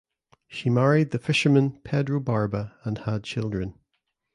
She married the fisherman Pedro Barba and had children.